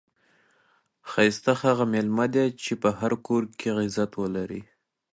ښایسته هغه میلمه دئ، چي په هر کور کښي عزت ولري.